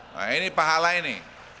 nah ini pahala ini